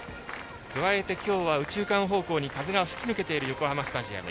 加えて今日は右中間方向に風が吹き抜けている横浜スタジアム。